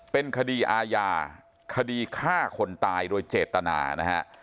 เป็นคดีอาญาคดีฆ่าคนตายโดยเจตนานะฮะ